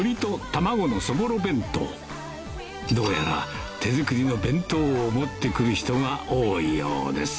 どうやら手作りの弁当を持って来る人が多いようです